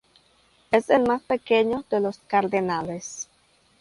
Es el más pequeño de los cardenales.